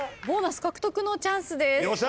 ボーナス獲得のチャンスです。